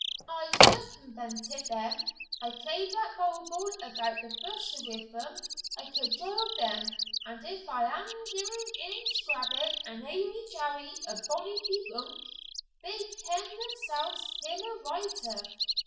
I circumvented them I played at bogle about the bush wi' them I cajolled them; and if I havena gien Inch Grabbit and Jamie Howie a bonnie begunk, they ken themselves. Him a writer!